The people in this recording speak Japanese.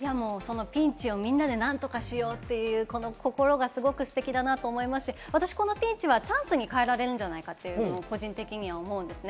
ピンチをみんなで何とかしようという心がすごくステキだなと思いますし、私、このピンチはチャンスに変えられるんじゃないかと個人的には思うんです。